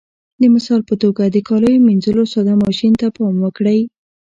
د مثال په توګه د کاليو منځلو ساده ماشین ته پام وکړئ.